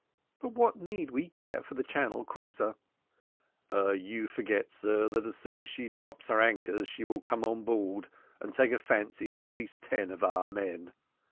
"But what need we care for the Channel cruiser?" "You forget, sir, that as soon as she drops her anchor she will come on board and take a fancy to at least ten of our men."